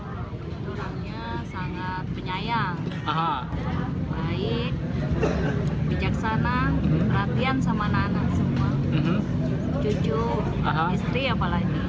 orangnya sangat penyayang baik bijaksana perhatian sama anak anak semua cucu istri apalagi